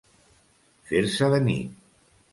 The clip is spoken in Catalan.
Fer-se de nit.